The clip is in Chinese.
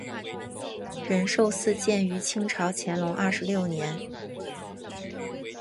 仁寿寺建于清朝乾隆二十六年。